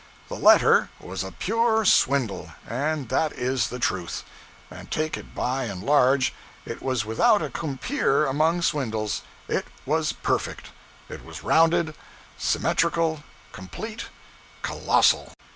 The letter was a pure swindle, and that is the truth. And take it by and large, it was without a compeer among swindles. It was perfect, it was rounded, symmetrical, complete, colossal!